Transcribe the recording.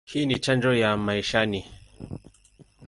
Hii ni chanjo ya maishani.